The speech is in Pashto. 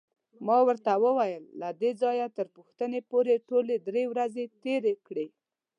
ما ورته وویل: له دې ځایه تر پوښتنې پورې ټولې درې ورځې تېرې کړې.